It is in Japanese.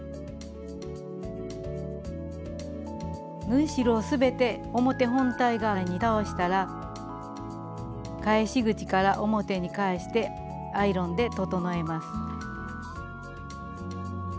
縫い代を全て表本体側に倒したら返し口から表に返してアイロンで整えます。